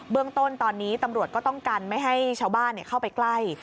เรื่องต้นตอนนี้ตำรวจก็ต้องกันไม่ให้ชาวบ้านเข้าไปใกล้